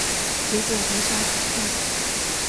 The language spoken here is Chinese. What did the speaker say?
结果没啥可以看